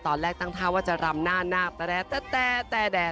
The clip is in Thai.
ตอนแรกตั้งท่าว่าจะรำน่าแต่แต่